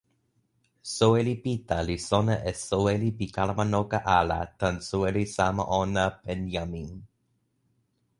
soweli Pita li sona e soweli pi kalama noka ala tan soweli sama ona Penjamin.